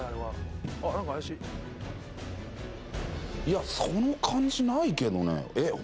いや、その感じないけどね。